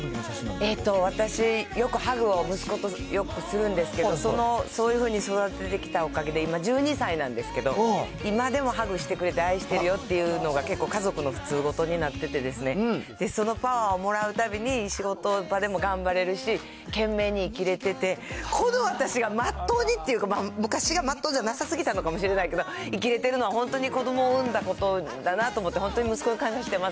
えっと、私、よくハグを息子とよくするんですけど、そういうふうに育ててきたおかげで、今、１２歳なんですけど、今でもハグしてくれて、愛してるよって言うのが結構家族の普通ごとになってて、そのパワーをもらうたびに、仕事場でも頑張れるし、懸命に生きれてて、この私がまっとうにっていうか、昔がまっとうじゃなさすぎたのかもしれないけど、生きれてるのは、本当に子どもを産んだことだなと思って、本当に息子に感謝してます。